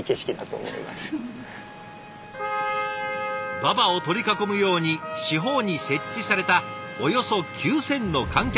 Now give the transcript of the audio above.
馬場を取り囲むように四方に設置されたおよそ９，０００の観客席。